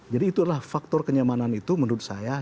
jadi itulah faktor kenyamanan itu menurut saya